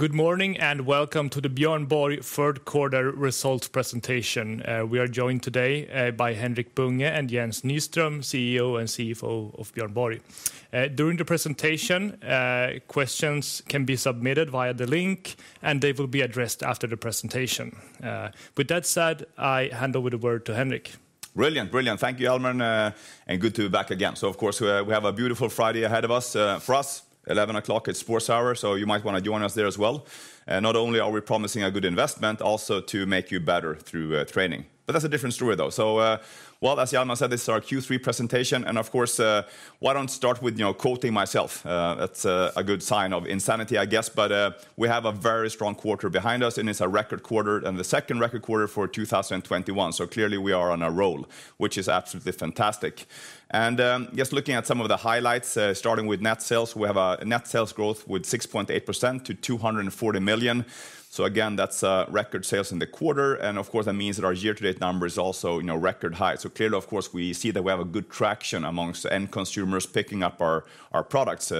Good morning and welcome to the Björn Borg third quarter results presentation. We are joined today by Henrik Bunge and Jens Nyström, CEO and CFO of Björn Borg. During the presentation, questions can be submitted via the link, and they will be addressed after the presentation. With that said, I hand over the word to Henrik. Brilliant, brilliant. Thank you, Hjalmar, and good to be back again. So, of course, we have a beautiful Friday ahead of us for us, 11:00 A.M. at Sports Hour, so you might want to join us there as well. Not only are we promising a good investment, also to make you better through training. But there's a difference through it, though. So, well, as Hjalmar said, this is our Q3 presentation, and of course, why don't I start with quoting myself? That's a good sign of insanity, I guess, but we have a very strong quarter behind us, and it's a record quarter and the second record quarter for 2021. So clearly, we are on a roll, which is absolutely fantastic. And just looking at some of the highlights, starting with net sales, we have a net sales growth with 6.8% to 240 million. Again, that's record sales in the quarter, and of course, that means that our year-to-date number is also record high. Clearly, of course, we see that we have a good traction among end consumers picking up our products,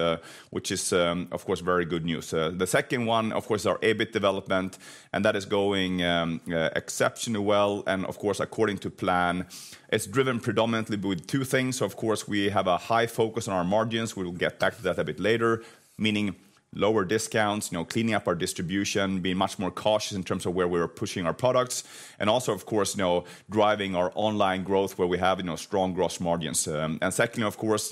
which is, of course, very good news. The second one, of course, is our EBIT development, and that is going exceptionally well. Of course, according to plan, it's driven predominantly with two things. Of course, we have a high focus on our margins. We will get back to that a bit later, meaning lower discounts, cleaning up our distribution, being much more cautious in terms of where we are pushing our products, and also, of course, driving our online growth where we have strong gross margins. And secondly, of course,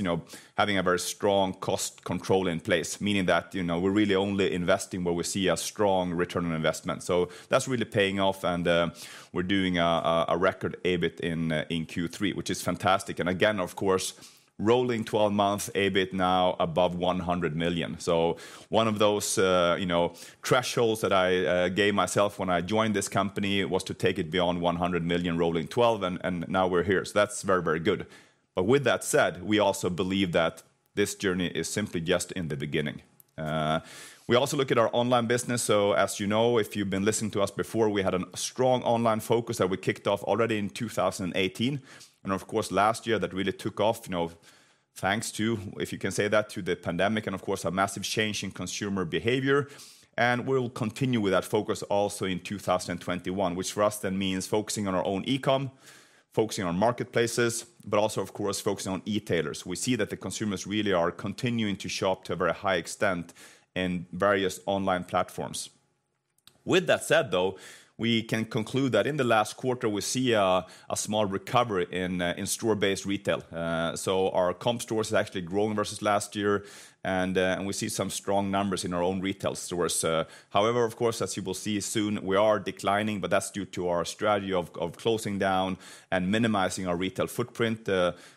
having a very strong cost control in place, meaning that we're really only investing where we see a strong return on investment. So that's really paying off, and we're doing a record EBIT in Q3, which is fantastic. And again, of course, rolling 12-month EBIT now above 100 million SEK. So one of those thresholds that I gave myself when I joined this company was to take it beyond 100 million SEK rolling 12, and now we're here. So that's very, very good. But with that said, we also believe that this journey is simply just in the beginning. We also look at our online business. So, as you know, if you've been listening to us before, we had a strong online focus that we kicked off already in 2018. Of course, last year, that really took off, thanks to, if you can say that, to the pandemic and, of course, a massive change in consumer behavior. We'll continue with that focus also in 2021, which for us then means focusing on our own e-com, focusing on marketplaces, but also, of course, focusing on retailers. We see that the consumers really are continuing to shop to a very high extent in various online platforms. With that said, though, we can conclude that in the last quarter, we see a small recovery in store-based retail. Our comp stores are actually growing versus last year, and we see some strong numbers in our own retail stores. However, of course, as you will see soon, we are declining, but that's due to our strategy of closing down and minimizing our retail footprint.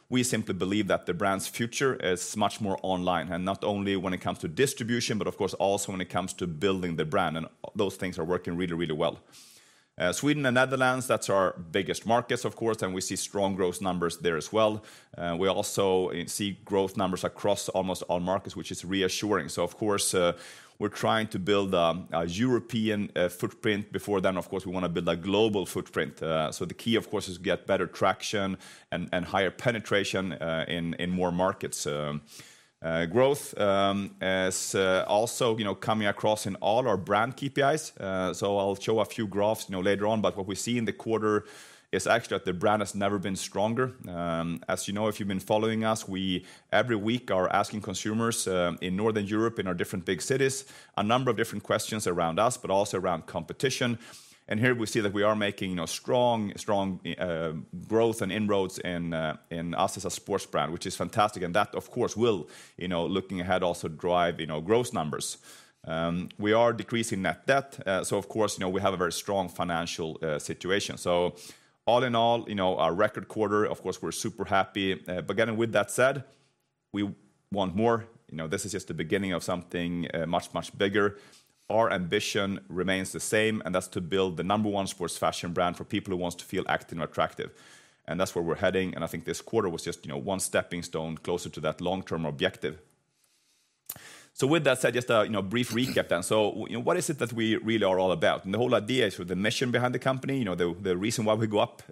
We simply believe that the brand's future is much more online, and not only when it comes to distribution, but of course, also when it comes to building the brand, and those things are working really, really well. Sweden and Netherlands, that's our biggest markets, of course, and we see strong growth numbers there as well. We also see growth numbers across almost all markets, which is reassuring, so of course, we're trying to build a European footprint, before then, of course, we want to build a global footprint, so the key, of course, is to get better traction and higher penetration in more markets. Growth is also coming across in all our brand KPIs, so I'll show a few graphs later on, but what we see in the quarter is actually that the brand has never been stronger. As you know, if you've been following us, we every week are asking consumers in Northern Europe in our different big cities a number of different questions around us, but also around competition, and here we see that we are making strong growth and inroads in us as a sports brand, which is fantastic, and that, of course, will, looking ahead, also drive growth numbers. We are decreasing net debt, so, of course, we have a very strong financial situation, so all in all, our record quarter, of course, we're super happy, but again, with that said, we want more. This is just the beginning of something much, much bigger. Our ambition remains the same, and that's to build the number one sports fashion brand for people who want to feel active and attractive, and that's where we're heading. I think this quarter was just one stepping stone closer to that long-term objective. With that said, just a brief recap then. What is it that we really are all about? The whole idea is with the mission behind the company, the reason why we go up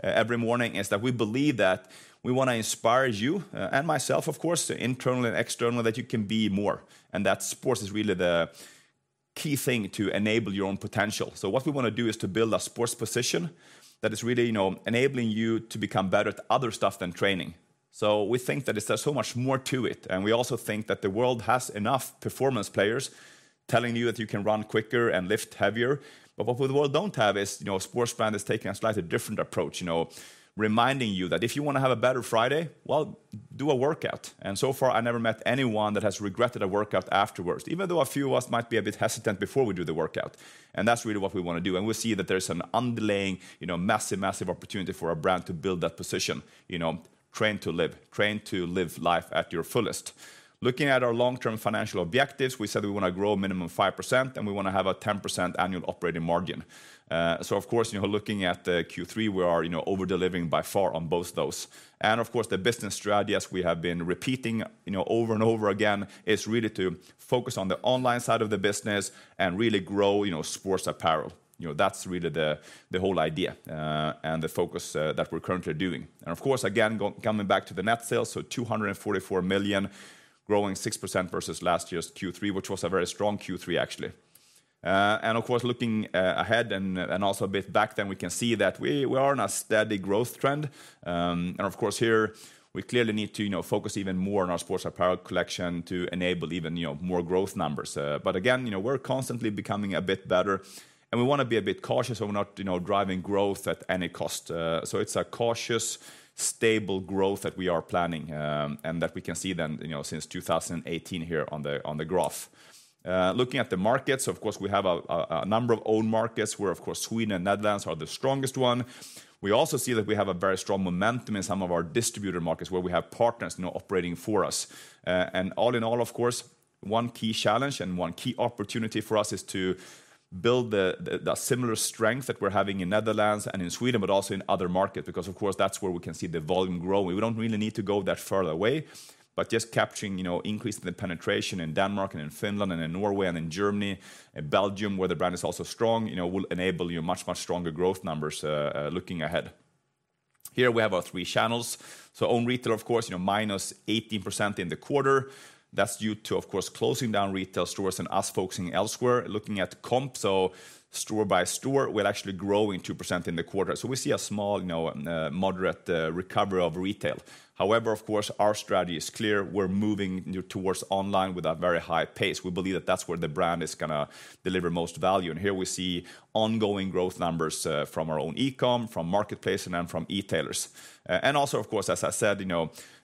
every morning is that we believe that we want to inspire you and myself, of course, internally and externally, that you can be more. That sports is really the key thing to enable your own potential. What we want to do is to build a sports position that is really enabling you to become better at other stuff than training. We think that there's so much more to it. We also think that the world has enough performance players telling you that you can run quicker and lift heavier. But what the world don't have is a sports brand is taking a slightly different approach, reminding you that if you want to have a better Friday, well, do a workout. And so far, I never met anyone that has regretted a workout afterward, even though a few of us might be a bit hesitant before we do the workout. And that's really what we want to do. And we see that there's an underlying massive, massive opportunity for our brand to build that position, Train to Live, Train to Live life at your fullest. Looking at our long-term financial objectives, we said we want to grow a minimum of 5%, and we want to have a 10% annual operating margin. So, of course, looking at Q3, we are overdelivering by far on both those. Of course, the business strategy as we have been repeating over and over again is really to focus on the online side of the business and really grow sports apparel. That's really the whole idea and the focus that we're currently doing. Of course, again, coming back to the net sales, so 244 million, growing 6% versus last year's Q3, which was a very strong Q3, actually. Of course, here, we clearly need to focus even more on our sports apparel collection to enable even more growth numbers. Again, we're constantly becoming a bit better, and we want to be a bit cautious so we're not driving growth at any cost. So it's a cautious, stable growth that we are planning and that we can see then since 2018 here on the graph. Looking at the markets, of course, we have a number of own markets where, of course, Sweden and Netherlands are the strongest one. We also see that we have a very strong momentum in some of our distributor markets where we have partners operating for us. And all in all, of course, one key challenge and one key opportunity for us is to build the similar strength that we're having in Netherlands and in Sweden, but also in other markets, because, of course, that's where we can see the volume growing. We don't really need to go that far away, but just capturing increasing the penetration in Denmark and in Finland and in Norway and in Germany and Belgium, where the brand is also strong, will enable much, much stronger growth numbers looking ahead. Here we have our three channels, so own retail, of course, minus 18% in the quarter. That's due to, of course, closing down retail stores and us focusing elsewhere. Looking at comp stores, so store by store, we're actually growing 2% in the quarter. We see a small, moderate recovery of retail. However, of course, our strategy is clear. We're moving towards online with a very high pace. We believe that that's where the brand is going to deliver most value, and here we see ongoing growth numbers from our own e-com, from marketplaces, and then from retailers. Also, of course, as I said,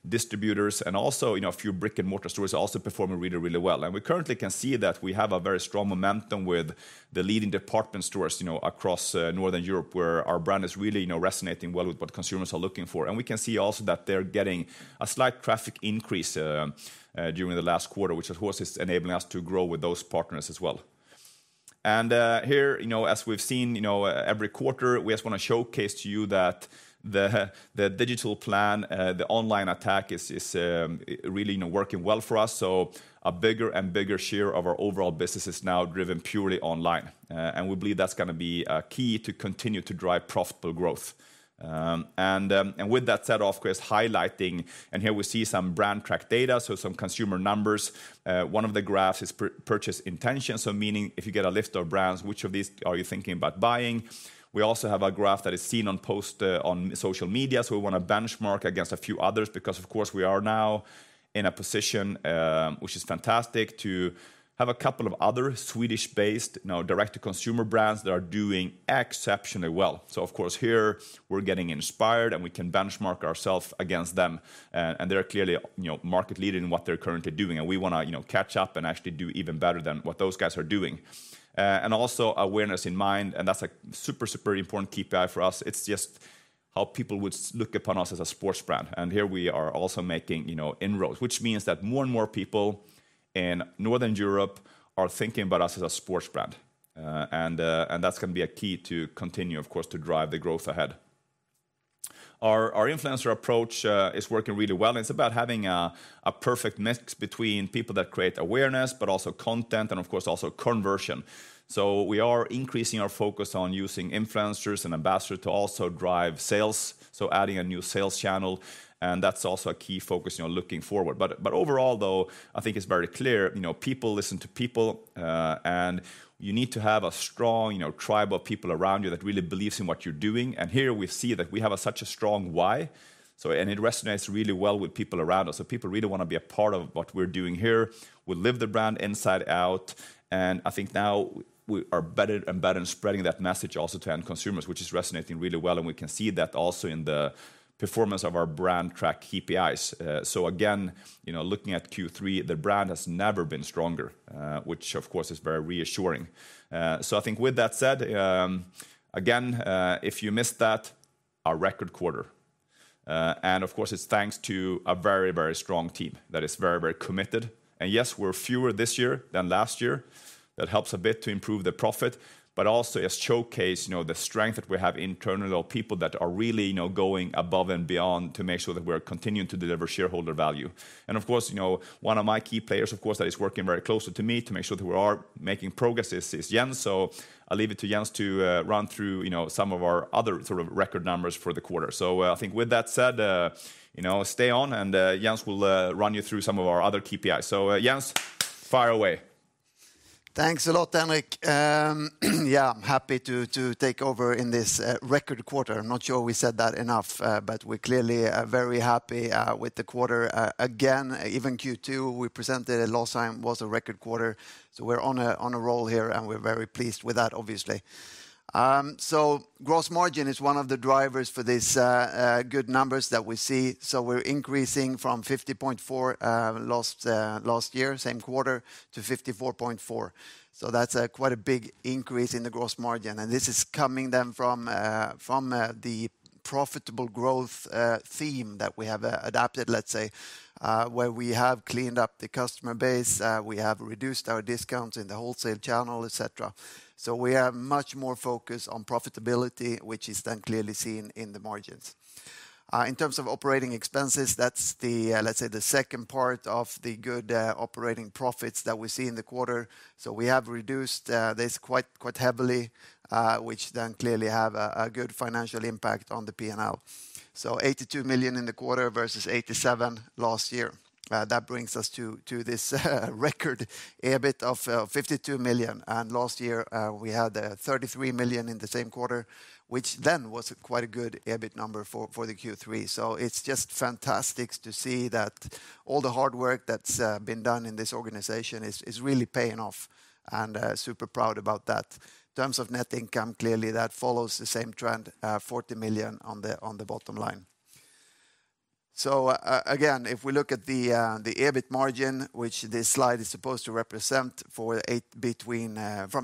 distributors and also a few brick-and-mortar stores are also performing really, really well. We currently can see that we have a very strong momentum with the leading department stores across Northern Europe, where our brand is really resonating well with what consumers are looking for. We can see also that they're getting a slight traffic increase during the last quarter, which, of course, is enabling us to grow with those partners as well. Here, as we've seen every quarter, we just want to showcase to you that the digital plan, the online attack is really working well for us. A bigger and bigger share of our overall business is now driven purely online. We believe that's going to be key to continue to drive profitable growth. And with that said, of course, highlighting, and here we see some brand track data, so some consumer numbers. One of the graphs is purchase intention, so meaning if you get a list of brands, which of these are you thinking about buying? We also have a graph that is seen on social media. So we want to benchmark against a few others because, of course, we are now in a position, which is fantastic, to have a couple of other Swedish-based direct-to-consumer brands that are doing exceptionally well. So, of course, here we're getting inspired, and we can benchmark ourselves against them. And they're clearly market-leading in what they're currently doing. And we want to catch up and actually do even better than what those guys are doing. And also awareness in mind, and that's a super, super important KPI for us. It's just how people would look upon us as a sports brand, and here we are also making inroads, which means that more and more people in Northern Europe are thinking about us as a sports brand, and that's going to be a key to continue, of course, to drive the growth ahead. Our influencer approach is working really well. It's about having a perfect mix between people that create awareness, but also content, and of course, also conversion, so we are increasing our focus on using influencers and ambassadors to also drive sales, so adding a new sales channel, and that's also a key focus looking forward, but overall, though, I think it's very clear. People listen to people, and you need to have a strong tribe of people around you that really believes in what you're doing, and here we see that we have such a strong why. It resonates really well with people around us. People really want to be a part of what we're doing here. We live the brand inside out. I think now we are better and better in spreading that message also to end consumers, which is resonating really well. We can see that also in the performance of our brand track KPIs. Again, looking at Q3, the brand has never been stronger, which, of course, is very reassuring. I think with that said, again, if you missed that, our record quarter. Of course, it's thanks to a very, very strong team that is very, very committed. Yes, we're fewer this year than last year. That helps a bit to improve the profit, but also showcase the strength that we have internally of people that are really going above and beyond to make sure that we're continuing to deliver shareholder value. And, of course, one of my key players, of course, that is working very closely to me to make sure that we are making progress is Jens. So I'll leave it to Jens to run through some of our other sort of record numbers for the quarter. So I think with that said, stay on, and Jens will run you through some of our other KPIs. So, Jens, fire away. Thanks a lot, Henrik. Yeah, I'm happy to take over in this record quarter. I'm not sure we said that enough, but we're clearly very happy with the quarter. Again, even Q2, we presented it last time, was a record quarter. We're on a roll here, and we're very pleased with that, obviously. Gross margin is one of the drivers for these good numbers that we see. We're increasing from 50.4% last year, same quarter, to 54.4%. That's quite a big increase in the gross margin. This is coming then from the profitable growth theme that we have adopted, let's say, where we have cleaned up the customer base. We have reduced our discounts in the wholesale channel, etc. We have much more focus on profitability, which is then clearly seen in the margins. In terms of operating expenses, that's the, let's say, the second part of the good operating profits that we see in the quarter. We have reduced this quite heavily, which then clearly have a good financial impact on the P&L. 82 million in the quarter versus 87 million last year. That brings us to this record EBIT of 52 million. Last year, we had 33 million in the same quarter, which then was quite a good EBIT number for the Q3. It's just fantastic to see that all the hard work that's been done in this organization is really paying off. We're super proud about that. In terms of net income, clearly that follows the same trend, 40 million on the bottom line. If we look at the EBIT margin, which this slide is supposed to represent from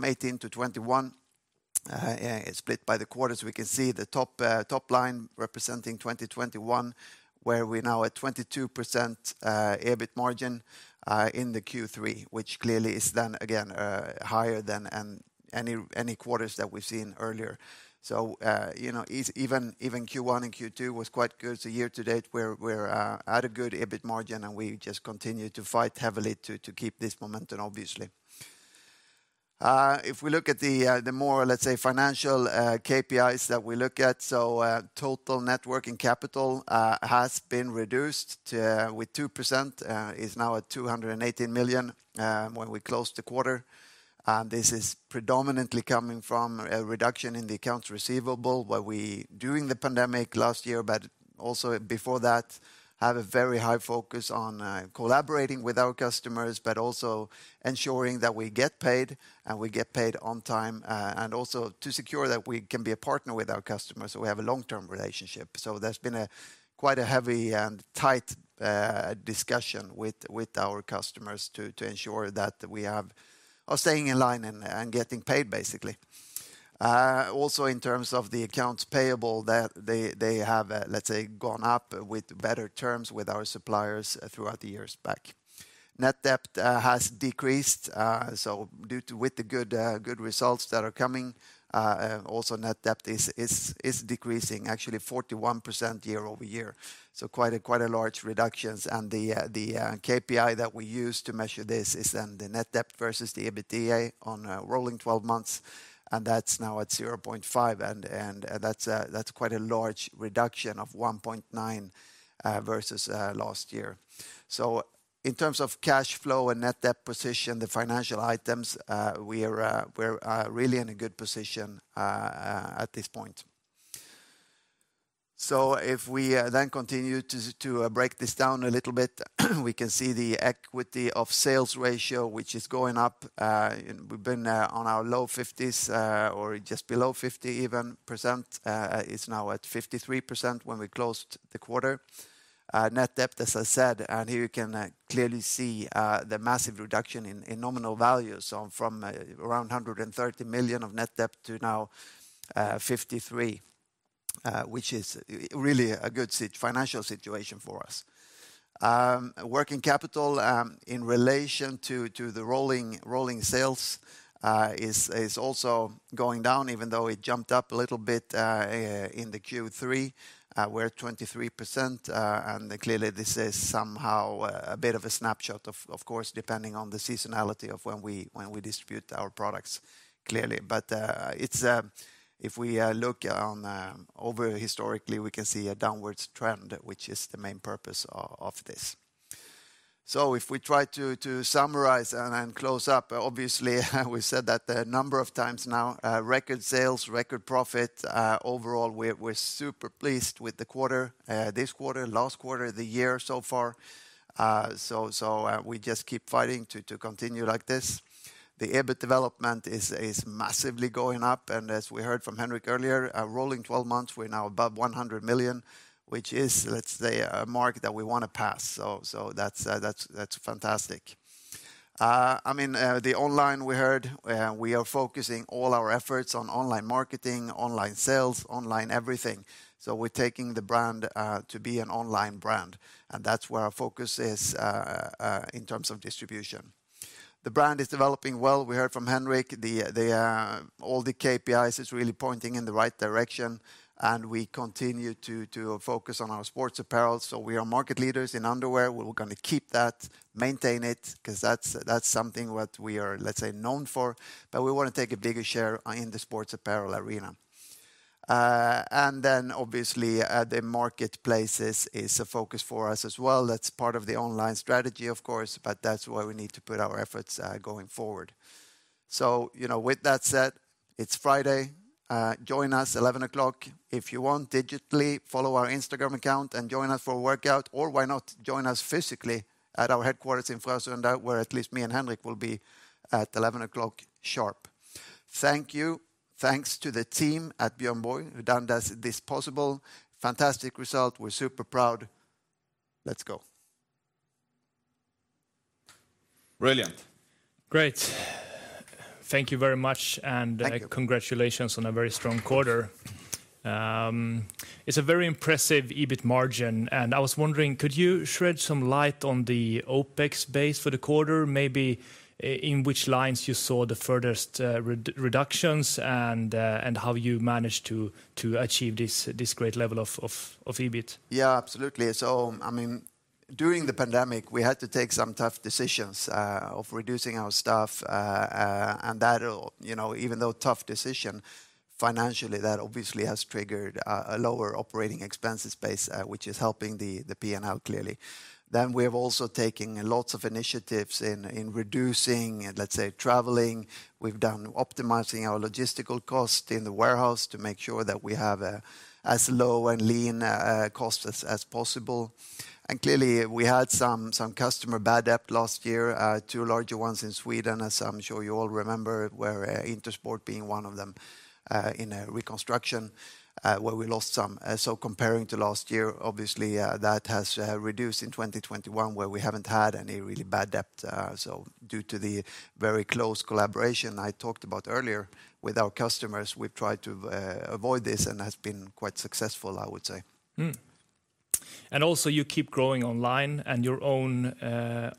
18 to 21, split by the quarters, we can see the top line representing 2021, where we're now at 22% EBIT margin in the Q3, which clearly is then, again, higher than any quarters that we've seen earlier. Even Q1 and Q2 was quite good. Year to date, we're at a good EBIT margin, and we just continue to fight heavily to keep this momentum, obviously. If we look at the more, let's say, financial KPIs that we look at, so net working capital has been reduced with 2%, is now at 218 million when we closed the quarter. And this is predominantly coming from a reduction in the accounts receivable while we were during the pandemic last year, but also before that, have a very high focus on collaborating with our customers, but also ensuring that we get paid and we get paid on time, and also to secure that we can be a partner with our customers so we have a long-term relationship. So there's been quite a heavy and tight discussion with our customers to ensure that we are staying in line and getting paid, basically. Also, in terms of the accounts payable, they have, let's say, gone up with better terms with our suppliers throughout the years back. Net debt has decreased. So with the good results that are coming, also net debt is decreasing, actually 41% year over year. So quite a large reduction. And the KPI that we use to measure this is then the net debt versus the EBITDA on rolling 12 months. And that's now at 0.5. And that's quite a large reduction of 1.9 versus last year. So in terms of cash flow and net debt position, the financial items, we're really in a good position at this point. So if we then continue to break this down a little bit, we can see the equity/assets ratio, which is going up. We've been on our low 50s or just below 50% even. It's now at 53% when we closed the quarter. Net debt, as I said, and here you can clearly see the massive reduction in nominal value. So from around 130 million of net debt to now 53 million, which is really a good financial situation for us. Working capital in relation to the rolling sales is also going down, even though it jumped up a little bit in the Q3. We're at 23%. And clearly, this is somehow a bit of a snapshot of, of course, depending on the seasonality of when we distribute our products, clearly. But if we look over historically, we can see a downward trend, which is the main purpose of this. So if we try to summarize and close up, obviously, we said that a number of times now, record sales, record profit. Overall, we're super pleased with the quarter, this quarter, last quarter, the year so far, so we just keep fighting to continue like this. The EBIT development is massively going up, and as we heard from Henrik earlier, rolling 12 months, we're now above 100 million, which is, let's say, a mark that we want to pass, so that's fantastic. I mean, the online we heard, we are focusing all our efforts on online marketing, online sales, online everything, so we're taking the brand to be an online brand. And that's where our focus is in terms of distribution. The brand is developing well, we heard from Henrik. All the KPIs are really pointing in the right direction, and we continue to focus on our sports apparel, so we are market leaders in underwear. We're going to keep that, maintain it, because that's something that we are, let's say, known for. But we want to take a bigger share in the sports apparel arena, and then, obviously, the marketplaces is a focus for us as well. That's part of the online strategy, of course, but that's where we need to put our efforts going forward, so with that said, it's Friday. Join us at 11 o'clock. If you want digitally, follow our Instagram account and join us for a workout, or why not join us physically at our headquarters in Frösunda, where at least me and Henrik will be at 11 o'clock sharp. Thank you. Thanks to the team at Björn Borg who have done this possible. Fantastic result. We're super proud. Let's go. Brilliant. Great. Thank you very much, and congratulations on a very strong quarter. It's a very impressive EBIT margin. I was wondering, could you shed some light on the OpEx base for the quarter, maybe in which lines you saw the furthest reductions and how you managed to achieve this great level of EBIT? Yeah, absolutely. So, I mean, during the pandemic, we had to take some tough decisions of reducing our staff. And that, even though a tough decision financially, that obviously has triggered a lower operating expenses base, which is helping the P&L clearly. Then we have also taken lots of initiatives in reducing, let's say, traveling. We've done optimizing our logistical costs in the warehouse to make sure that we have as low and lean costs as possible. And clearly, we had some customer bad debt last year, two larger ones in Sweden, as I'm sure you all remember, where Intersport being one of them in reconstruction, where we lost some. So comparing to last year, obviously, that has reduced in 2021, where we haven't had any really bad debt. So due to the very close collaboration I talked about earlier with our customers, we've tried to avoid this and has been quite successful, I would say. And also, you keep growing online and your own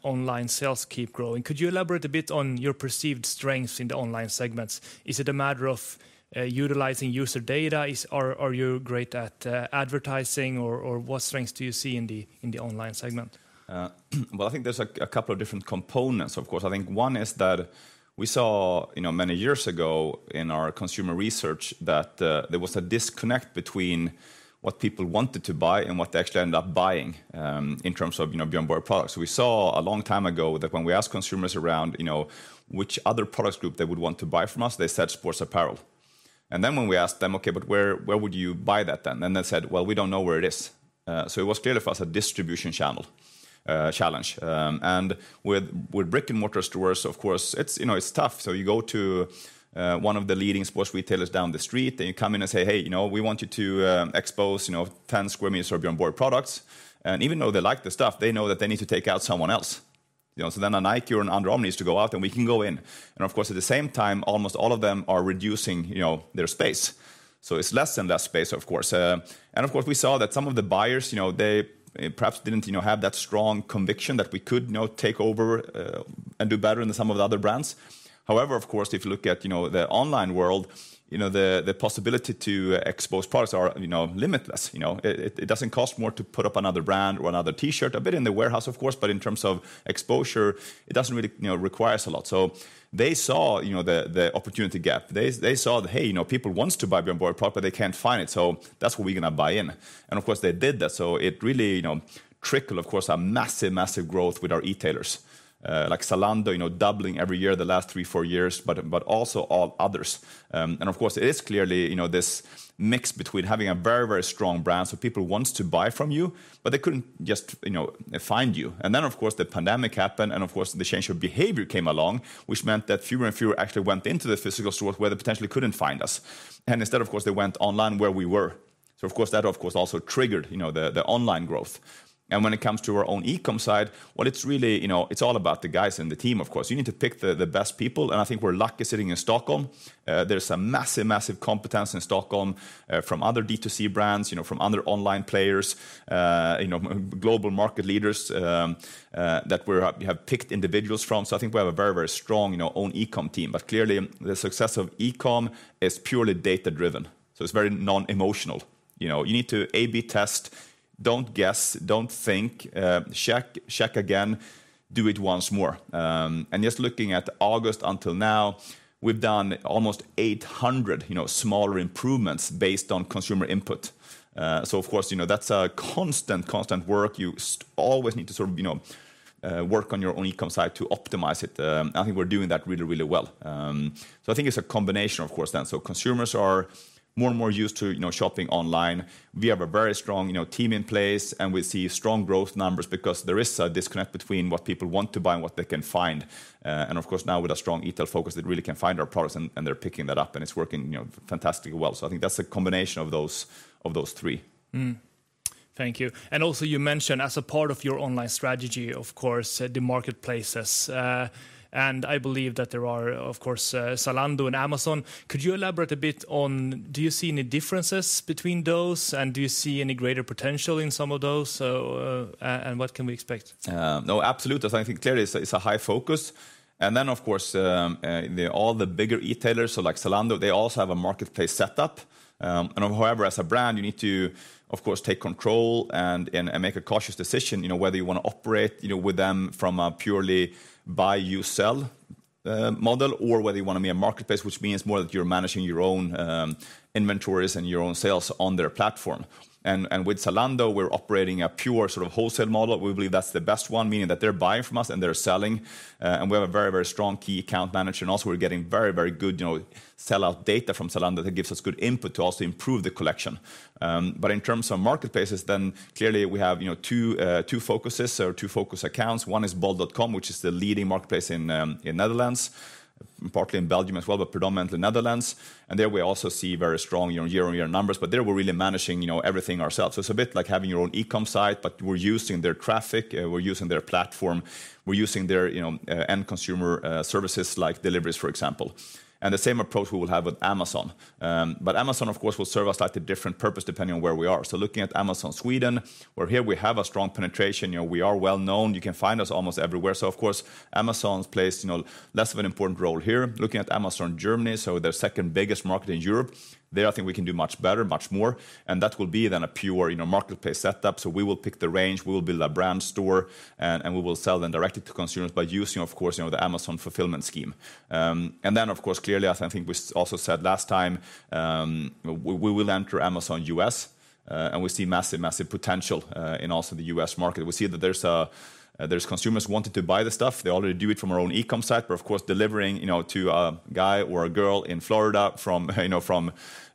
online sales keep growing. Could you elaborate a bit on your perceived strengths in the online segments? Is it a matter of utilizing user data? Are you great at advertising or what strengths do you see in the online segment? Well, I think there's a couple of different components, of course. I think one is that we saw many years ago in our consumer research that there was a disconnect between what people wanted to buy and what they actually ended up buying in terms of Björn Borg products. We saw a long time ago that when we asked consumers around which other product group they would want to buy from us, they said sports apparel. And then when we asked them, okay, but where would you buy that then? And they said, well, we don't know where it is. So it was clear for us a distribution challenge. And with brick-and-mortar stores, of course, it's tough. So you go to one of the leading sports retailers down the street, and you come in and say, hey, we want you to expose 10 sq m of Björn Borg products. And even though they like the stuff, they know that they need to take out someone else. So then a Nike or an Under Armour needs to go out, and we can go in. And of course, at the same time, almost all of them are reducing their space. So it's less and less space, of course. And of course, we saw that some of the buyers, they perhaps didn't have that strong conviction that we could take over and do better than some of the other brands. However, of course, if you look at the online world, the possibility to expose products are limitless. It doesn't cost more to put up another brand or another T-shirt, a bit in the warehouse, of course, but in terms of exposure, it doesn't really require us a lot. So they saw the opportunity gap. They saw that, hey, people want to buy Björn Borg product, but they can't find it. So that's what we're going to buy in. And of course, they did that. So it really trickled, of course, a massive, massive growth with our retailers, like Zalando, doubling every year the last three, four years, but also all others. And of course, it is clearly this mix between having a very, very strong brand. So people want to buy from you, but they couldn't just find you. And then, of course, the pandemic happened, and of course, the change of behavior came along, which meant that fewer and fewer actually went into the physical stores where they potentially couldn't find us. And instead, of course, they went online where we were. So of course, that, of course, also triggered the online growth. And when it comes to our own e-com side, well, it's really, it's all about the guys and the team, of course. You need to pick the best people. And I think we're lucky sitting in Stockholm. There's a massive, massive competence in Stockholm from other D2C brands, from other online players, global market leaders that we have picked individuals from. I think we have a very, very strong own e-com team. Clearly, the success of e-com is purely data-driven. It's very non-emotional. You need to A/B test, don't guess, don't think, check again, do it once more. Just looking at August until now, we've done almost 800 smaller improvements based on consumer input. Of course, that's a constant, constant work. You always need to sort of work on your own e-com side to optimize it. I think we're doing that really, really well. I think it's a combination, of course, then. Consumers are more and more used to shopping online. We have a very strong team in place, and we see strong growth numbers because there is a disconnect between what people want to buy and what they can find. And of course, now with a strong e-tail focus, they really can find our products, and they're picking that up, and it's working fantastically well. So I think that's a combination of those three. Thank you. And also you mentioned as a part of your online strategy, of course, the marketplaces. And I believe that there are, of course, Zalando and Amazon. Could you elaborate a bit on, do you see any differences between those? And do you see any greater potential in some of those? And what can we expect? No, absolutely. I think clearly it's a high focus. And then, of course, all the bigger retailers, so like Zalando, they also have a marketplace setup. However, as a brand, you need to, of course, take control and make a cautious decision whether you want to operate with them from a purely buy-you-sell model or whether you want to be a marketplace, which means more that you're managing your own inventories and your own sales on their platform. With Zalando, we're operating a pure sort of wholesale model. We believe that's the best one, meaning that they're buying from us and they're selling. We have a very, very strong key account manager. Also, we're getting very, very good sellout data from Zalando that gives us good input to also improve the collection. In terms of marketplaces, then clearly we have two focuses or two focus accounts. One is bol.com, which is the leading marketplace in the Netherlands, partly in Belgium as well, but predominantly Netherlands. There we also see very strong year-on-year numbers, but there we're really managing everything ourselves. It's a bit like having your own e-com side, but we're using their traffic, we're using their platform, we're using their end consumer services like deliveries, for example. The same approach we will have with Amazon. Amazon, of course, will serve us at a different purpose depending on where we are. Looking at Amazon Sweden, where here we have a strong penetration, we are well known, you can find us almost everywhere. Of course, Amazon plays less of an important role here. Looking at Amazon Germany, their second biggest market in Europe, there I think we can do much better, much more. That will be then a pure marketplace setup. So we will pick the range, we will build a brand store, and we will sell them directly to consumers by using, of course, the Amazon fulfillment scheme. And then, of course, clearly, as I think we also said last time, we will enter Amazon U.S., and we see massive, massive potential in also the U.S. market. We see that there's consumers wanting to buy the stuff. They already do it from our own e-com side, but of course, delivering to a guy or a girl in Florida from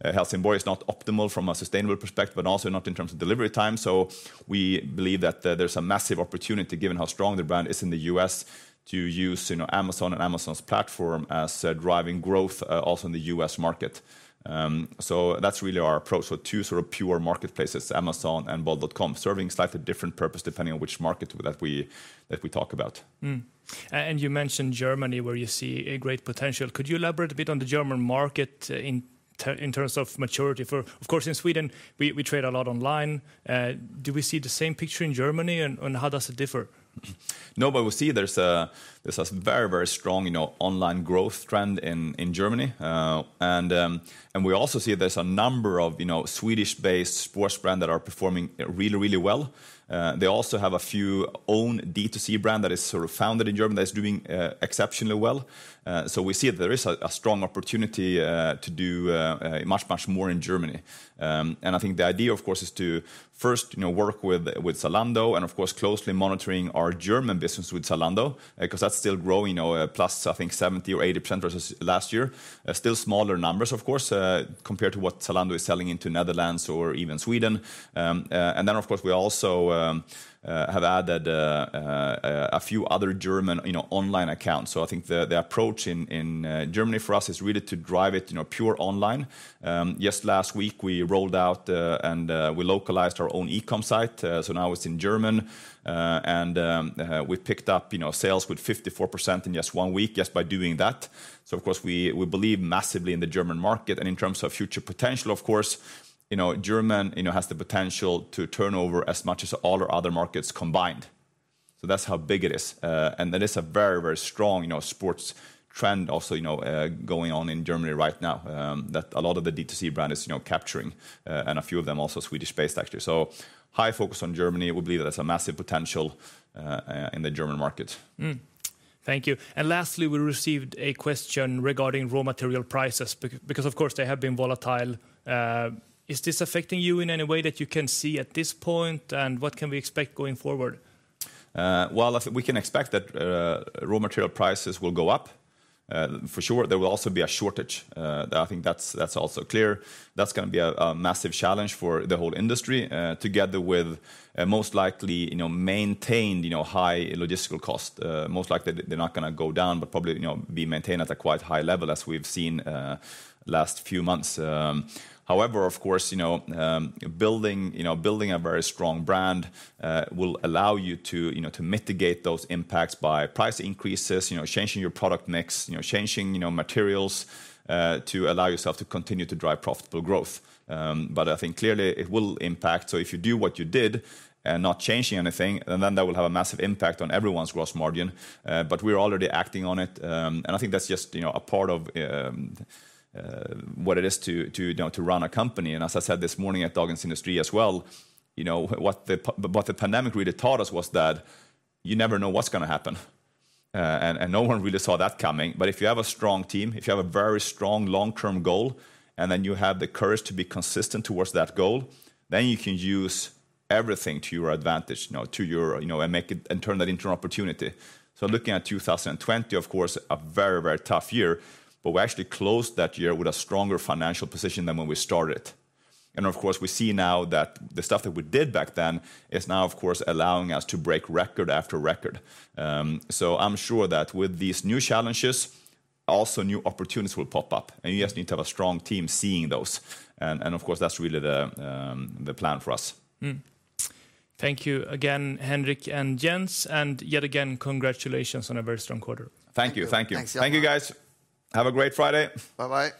Helsingborg is not optimal from a sustainable perspective, but also not in terms of delivery time. So we believe that there's a massive opportunity given how strong the brand is in the U.S. to use Amazon and Amazon's platform as driving growth also in the U.S. market. So that's really our approach for two sort of pure marketplaces, Amazon and bol.com, serving slightly different purpose depending on which market that we talk about. And you mentioned Germany where you see a great potential. Could you elaborate a bit on the German market in terms of maturity? Of course, in Sweden, we trade a lot online. Do we see the same picture in Germany and how does it differ? No, but we see there's a very, very strong online growth trend in Germany. And we also see there's a number of Swedish-based sports brands that are performing really, really well. They also have a few own D2C brands that are sort of founded in Germany that are doing exceptionally well. So we see that there is a strong opportunity to do much, much more in Germany. And I think the idea, of course, is to first work with Zalando and, of course, closely monitoring our German business with Zalando, because that's still growing, plus I think 70% or 80% versus last year. Still smaller numbers, of course, compared to what Zalando is selling into Netherlands or even Sweden. And then, of course, we also have added a few other German online accounts. So I think the approach in Germany for us is really to drive it pure online. Just last week, we rolled out and we localized our own e-com site. So now it's in German. And we picked up sales with 54% in just one week, just by doing that. So, of course, we believe massively in the German market. And in terms of future potential, of course, Germany has the potential to turn over as much as all our other markets combined. So that's how big it is. And that is a very, very strong sports trend also going on in Germany right now that a lot of the D2C brands are capturing, and a few of them also Swedish-based, actually. So high focus on Germany. We believe that there's a massive potential in the German market. Thank you. And lastly, we received a question regarding raw material prices, because, of course, they have been volatile. Is this affecting you in any way that you can see at this point? And what can we expect going forward? Well, we can expect that raw material prices will go up. For sure, there will also be a shortage. I think that's also clear. That's going to be a massive challenge for the whole industry, together with most likely maintained high logistical costs. Most likely, they're not going to go down, but probably be maintained at a quite high level as we've seen last few months. However, of course, building a very strong brand will allow you to mitigate those impacts by price increases, changing your product mix, changing materials to allow yourself to continue to drive profitable growth, but I think clearly it will impact. So if you do what you did and not changing anything, then that will have a massive impact on everyone's gross margin. But we're already acting on it, and I think that's just a part of what it is to run a company. And as I said this morning at Dagens Industri as well, what the pandemic really taught us was that you never know what's going to happen, and no one really saw that coming. But if you have a strong team, if you have a very strong long-term goal, and then you have the courage to be consistent towards that goal, then you can use everything to your advantage and make it and turn that into an opportunity. So looking at 2020, of course, a very, very tough year, but we actually closed that year with a stronger financial position than when we started. And of course, we see now that the stuff that we did back then is now, of course, allowing us to break record after record. So I'm sure that with these new challenges, also new opportunities will pop up. And you just need to have a strong team seeing those. And of course, that's really the plan for us. Thank you again, Henrik and Jens. And yet again, congratulations on a very strong quarter. Thank you. Thank you. Thank you, guys. Have a great Friday. Bye-bye.